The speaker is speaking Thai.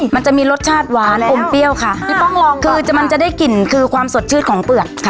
มันจะมีรสชาติหวานอมเปรี้ยวค่ะพี่ป้องลองคือมันจะได้กลิ่นคือความสดชื่นของเปลือกค่ะ